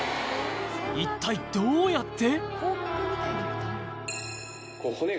一体どうやって？